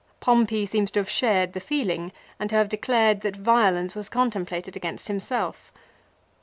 Pompey seems to have shared the feeling and to have declared that violence was contemplated against himself.